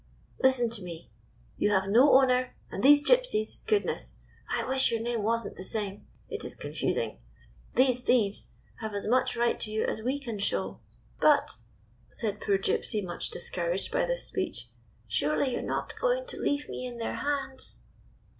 Listen to me. You have no owner, and these Gypsies — Goodness! I wish your name was n't the same! It is con fusing. These thieves have as much right to you as we can show." "But," said poor Gypsy, much discouraged by this speech, "surely you 're not going to leave me in their hands?"